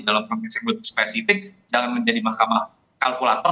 dalam konteks yang lebih spesifik jangan menjadi mahkamah kalkulator